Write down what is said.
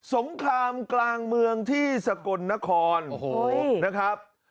สงครามกลางเมืองที่สกลนครนะครับ